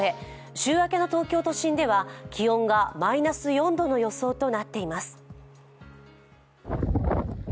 週明けの東京都心では気温がマイナス４度の予想となっています。